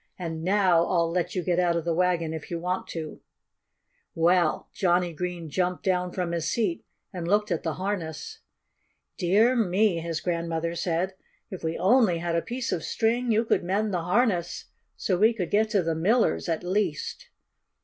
And now I'll let you get out of the wagon, if you want to." Well, Johnnie Green jumped down from his seat and looked at the harness. "Dear me!" his grandmother said. "If we only had a piece of string you could mend the harness so we could get to the miller's, at least."